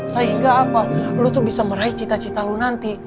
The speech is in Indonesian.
sehingga apa lu tuh bisa meraih cita cita lo nanti